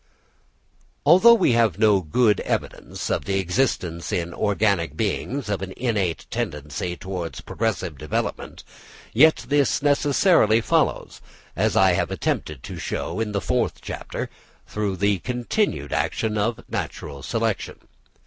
Although we have no good evidence of the existence in organic beings of an innate tendency towards progressive development, yet this necessarily follows, as I have attempted to show in the fourth chapter, through the continued action of natural selection.